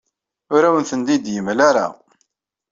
Ur awen-ten-id-yemla ara.